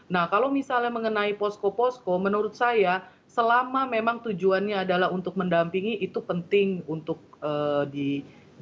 nah kalau misalnya mengenai posko posko menurut saya selama memang tujuannya adalah untuk mendampingi itu penting untuk diberikan